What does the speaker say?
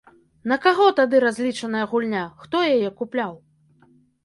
На каго тады разлічаная гульня, хто яе купляў?